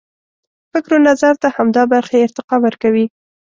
فکر و نظر ته همدا برخې ارتقا ورکوي.